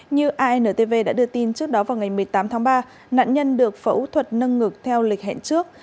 như intv đã đưa tin trước đó vào ngày một mươi tám tháng ba nạn nhân được phẫu thuật nâng ngực theo lịch hẹn trước